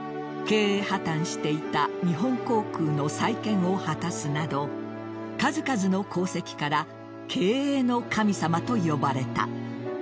経営破綻していた日本航空の再建を果たすなど数々の功績から経営の神様と呼ばれた。